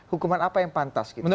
hukuman apa yang pantas gitu